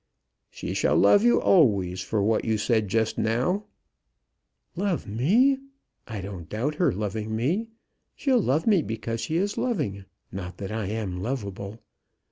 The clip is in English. "She shall love you always for what you said just now." "Love me! I don't doubt her loving me. She'll love me because she is loving not that I am lovable.